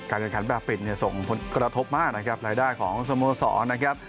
การแข่งขันประปิดส่งกระทบมากนะครับรายได้ของสมสรณ์นะครับ